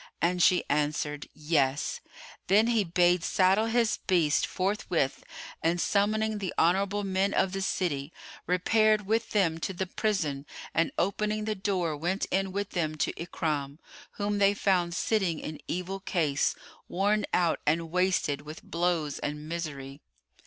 And she answered, "Yes." Then he bade saddle his beast forthwith and, summoning the honourable men of the city, repaired with them to the prison and opening the door, went in with them to Ikrimah, whom they found sitting in evil case, worn out and wasted with blows and misery.